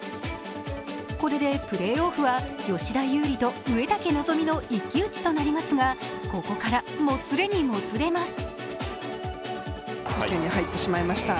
これでプレーオフは吉田優利と植竹希望の一騎打ちになりますが、ここからもつれにもつれます。